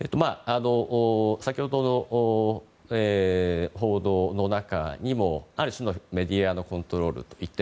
先ほどの報道の中にもある種のメディアコントロールといった